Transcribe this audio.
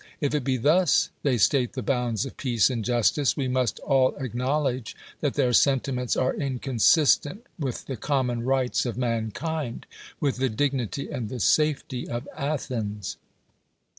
If it be thus they state the bounds of peace and justice, we must all acknowledge that their sentiments are inconsistent with the common rights of man kind — with the dignity and the safety of Athens.